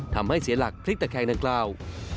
ทำให้เสียหลักพลิกตะแคงดังกล่าว